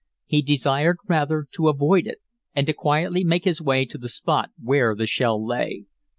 He desired, rather, to avoid it, and to quietly make his way to the spot where the shell lay.